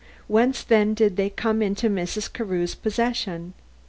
Whence, then, did they come into Mrs. Carew's possession?